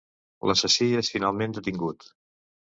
L'assassí és finalment detingut.